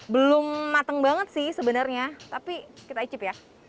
belum matang banget sih sebenarnya tapi kita icip ya